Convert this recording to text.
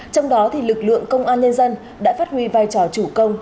trong đó lực lượng công an nhân dân đã phát huy vai trò chủ công